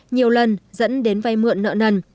nhiều lần dẫn đến vay mượn nợ nần